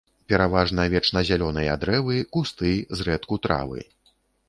Пераважна вечназялёныя дрэвы, кусты, зрэдку травы.